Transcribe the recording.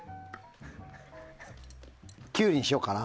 キュウリにしようかな。